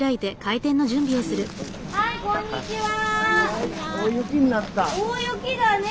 はいこんにちは。